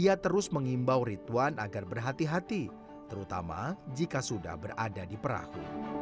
ia terus mengimbau rituan agar berhati hati terutama jika sudah berada di perahu